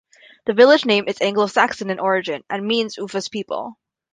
The village name is Anglo Saxon in origin, and means 'Ufa's people'.